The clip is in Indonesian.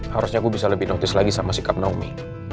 harusnya gue bisa lebih notice lagi sama sikap naomi